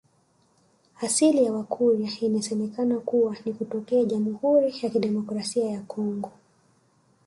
Asili ya Wakurya inasemekana kuwa ni kutokea Jamhuri ya Kidemokrasia ya Kongo